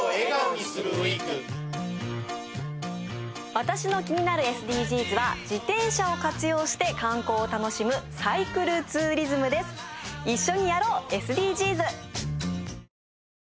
私の気になるＳＤＧｓは自転車を活用して観光を楽しむサイクルツーリズムです「一緒にやろう、ＳＤＧｓ」